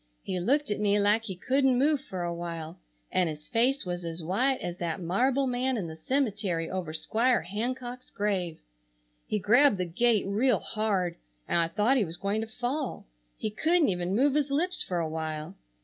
He looked at me like he couldn't move for a while and his face was as white as that marble man in the cemetery over Squire Hancock's grave. He grabbed the gate real hard and I thought he was going to fall. He couldn't even move his lips for a while.